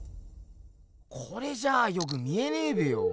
これじゃあよく見えねえべよ。